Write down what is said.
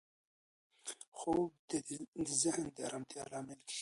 خوب د ذهن د ارامتیا لامل کېږي.